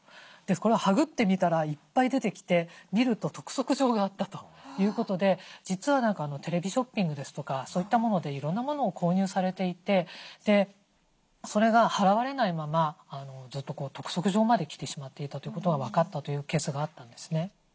これをはぐってみたらいっぱい出てきて見ると督促状があったということで実はテレビショッピングですとかそういったものでいろんなものを購入されていてでそれが払われないままずっと督促状まで来てしまっていたということが分かったというケースがあったんですね。